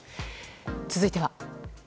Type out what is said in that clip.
続いては。